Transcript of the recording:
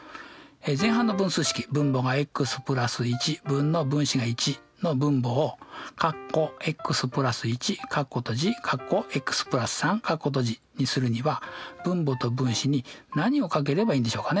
前半の分数式分母がｘ＋１分の分子が１の分母をにするには分母と分子に何をかければいいんでしょうかね？